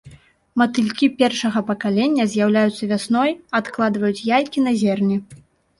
Матылькі першага пакалення з'яўляюцца вясной, адкладваюць яйкі на зерне.